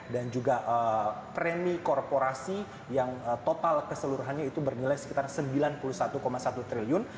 dan juga premi korporasi yang total keseluruhannya itu bernilai sekitar rp sembilan puluh satu satu triliun